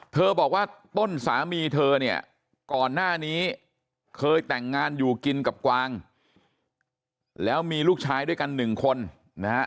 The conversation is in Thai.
บอกว่าต้นสามีเธอเนี่ยก่อนหน้านี้เคยแต่งงานอยู่กินกับกวางแล้วมีลูกชายด้วยกันหนึ่งคนนะฮะ